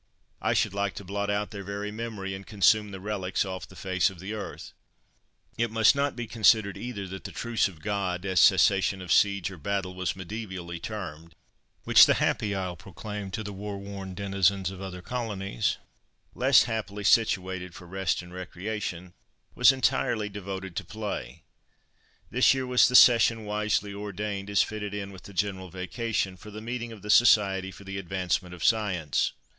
I should like to blot out their very memory and consume the relics off the face of the earth." It must not be considered, either, that the "Truce of God" (as cessation of siege or battle was medievally termed), which the Happy Isle proclaimed to the war worn denizens of other colonies, less happily situated for rest and recreation, was entirely devoted to Play. This year was the session, wisely ordained as fitting in with the general vacation, for the meeting of the Society for the Advancement of Science.